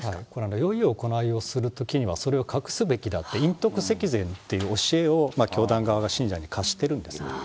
よい行いをするときには、それを隠すべきだって、いんとくせきぜんっていう教えを、教団側が信者に課しているんですよ。